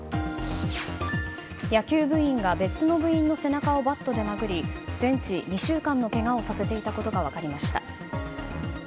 野球部員が別の部員の背中をバットで殴り全治２週間のけがをさせていたことが分かりました。